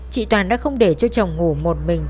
chị toàn đã không để cho chồng ngủ một mình